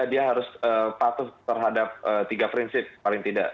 dia harus patuh terhadap tiga prinsip paling tidak